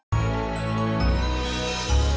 tapi aku juga nyalahin leadership pays prevalent